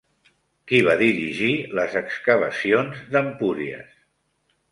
Qui va dirigir les excavacions d'Empúries?